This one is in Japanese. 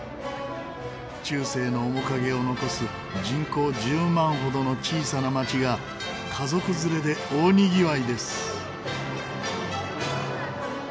中世の面影を残す人口１０万ほどの小さな町が家族連れで大にぎわいです。